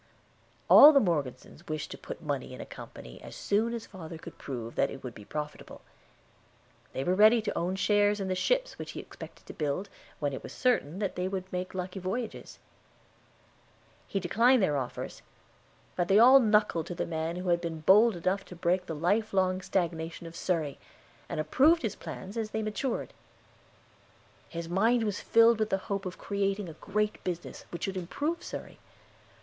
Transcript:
All the Morgesons wished to put money in a company, as soon as father could prove that it would be profitable. They were ready to own shares in the ships which he expected to build, when it was certain that they would make lucky voyages. He declined their offers, but they all "knuckled" to the man who had been bold enough to break the life long stagnation of Surrey, and approved his plans as they matured. His mind was filled with the hope of creating a great business which should improve Surrey.